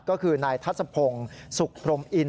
ก็คือนายทัศพงศ์สุขพรมอิน